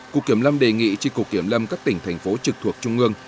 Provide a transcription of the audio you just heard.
cục kiểm lâm đề nghị tri cục kiểm lâm các tỉnh thành phố trực thuộc trung ương